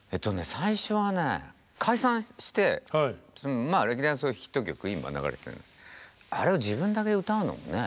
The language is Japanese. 最初はね解散して歴代のヒット曲今流れてるのあれを自分だけ歌うのもね